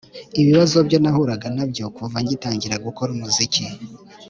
ibibazo byo nahuraga na byo kuva ngitangira gukora umuziki